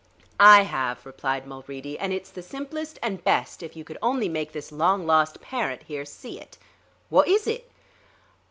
"I have," replied Mulready; "and it's the simplest and best, if you could only make this long lost parent here see it." "Wot is it?"